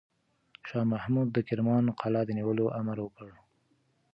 شاه محمود د کرمان قلعه د نیولو امر وکړ.